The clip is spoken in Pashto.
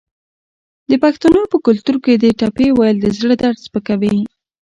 د پښتنو په کلتور کې د ټپې ویل د زړه درد سپکوي.